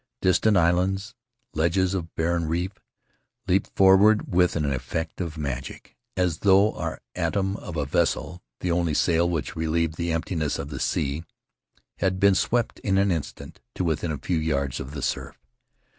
Distant islands, ledges of barren reef, leaped forward with an effect of magic, as though our atom of a vessel, the only sail which relieved the emptiness of the sea, had been swept in an instant to within a few yards of the surf.